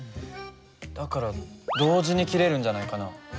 だから同時に切れるんじゃないかな。